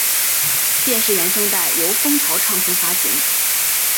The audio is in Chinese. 电视原声带由风潮唱片发行。